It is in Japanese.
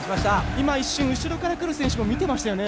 今一瞬後ろから来る選手も見てましたよね。